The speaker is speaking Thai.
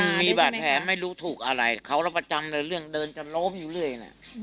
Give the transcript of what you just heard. มีบาดแผลไม่รู้ถูกอะไรเขารับประจำเลยเรื่องเดินจะล้มอยู่เรื่อยน่ะ